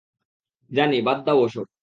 জানি, বাদ দাও ওসব!